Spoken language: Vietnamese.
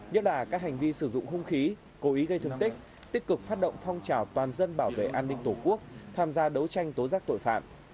nhất là các hành vi sử dụng hung khí cố ý gây thương tích tích cực phát động phong trào toàn dân bảo vệ an ninh tổ quốc tham gia đấu tranh tố giác tội phạm